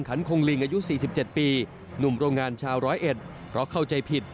คันคงลิงอายุ๔๗ปีหนุ่มโรงงานชาวร้อยเอ็ดเพราะเข้าใจผิด